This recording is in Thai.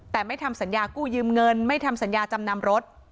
แต่ไม่ทำสัญญากู้ยืมเงินไม่ทำสัญญาจำนำรถ